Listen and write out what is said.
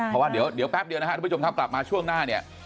เพราะว่าเดี๋ยวแป๊บเดียวนะครับทุกผู้ชมครับกลับมาช่วงหน้าเนี่ย